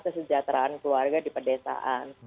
kesejahteraan keluarga di pedesaan